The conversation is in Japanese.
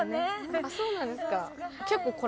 ああそうなんですか。